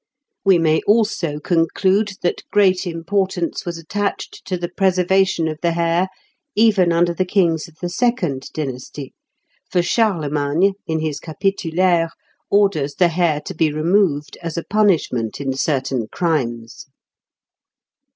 We may also conclude that great importance was attached to the preservation of the hair even under the kings of the second dynasty, for Charlemagne, in his Capitulaires, orders the hair to be removed as a punishment in certain crimes.